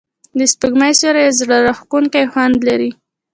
د سپوږمۍ سیوری یو زړه راښکونکی خوند لري.